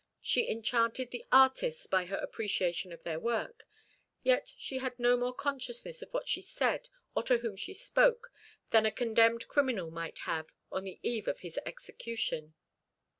She enchanted the artists by her appreciation of their work; yet she had no more consciousness of what she said or to whom she spoke than a condemned criminal might have on the eve of his execution.